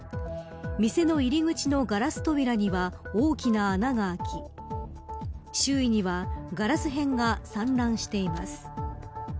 店の入り口のガラス扉には大きな穴が開き周囲には、ガラス片が散乱しています。